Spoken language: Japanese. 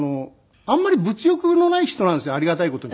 あんまり物欲のない人なんですありがたい事に。